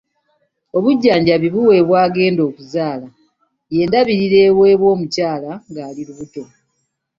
Obujjanjabi buweebwa agenda okuzaala ye ndabirira eweebwa omukyala nga ali lubuto.